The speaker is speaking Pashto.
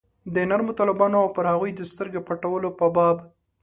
د نرمو طالبانو او پر هغوی د سترګې پټولو په باب.